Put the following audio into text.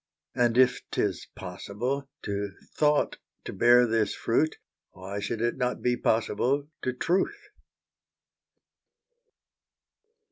And if 'tis possible to Thought to bear this fruit, Why should it not be possible to Truth?